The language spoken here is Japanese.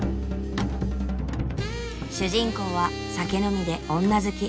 主人公は酒飲みで女好き。